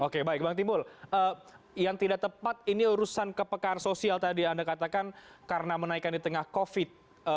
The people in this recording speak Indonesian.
oke baik bang timbul yang tidak tepat ini urusan kepekaan sosial tadi anda katakan karena menaikkan di tengah covid